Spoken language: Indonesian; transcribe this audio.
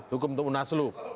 cukup untuk munaslup